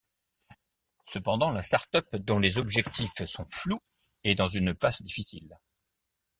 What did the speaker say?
Cependant, la start-up dont les objectifs sont flous est dans une passe difficile.